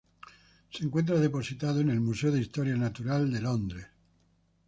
Se encuentra depositado en el Museo de Historia Natural, de Londres.